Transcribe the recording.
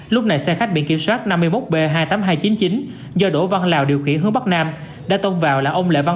lúc này xe khách biển kiểm soát năm mươi một b hai mươi tám nghìn hai trăm chín mươi chín do đỗ văn lào điều khiển hướng bắc nam đã tông vào là ông lại văn